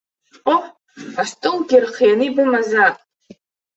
Ҟоҳ, астолгьы рхианы ибымазаап.